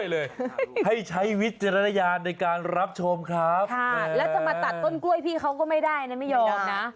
แล้วจะมาตัดต้นกล้วยพี่เขาก็ไม่ได้นะไม่ยอมนะ